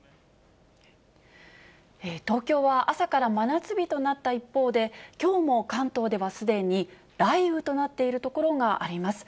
東京は朝から真夏日となった一方で、きょうも関東ではすでに雷雨となっている所があります。